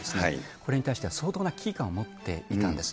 これに対しては相当な危機感を持っていたんです。